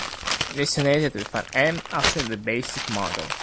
Designated with an "M" after the basic model.